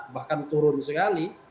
bahkan turun sekali